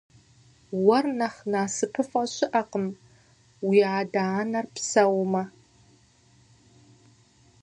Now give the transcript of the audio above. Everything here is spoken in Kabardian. Уэр нэхъ насыпыфӏэ щыӏэкъым уи адэ-анэр псэумэ.